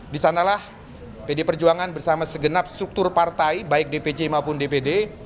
disanalah pd perjuangan bersama segenap struktur partai baik dpc maupun dpd